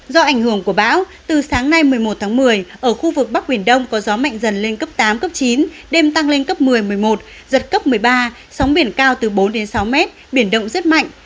do ảnh hưởng của bão từ sáng nay một mươi một tháng một mươi ở khu vực bắc biển đông có gió mạnh dần lên cấp tám cấp chín đêm tăng lên cấp một mươi một mươi một giật cấp một mươi ba sóng biển cao từ bốn sáu mét biển động rất mạnh